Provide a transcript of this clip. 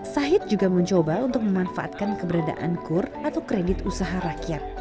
sahid juga mencoba untuk memanfaatkan keberadaan kur atau kredit usaha rakyat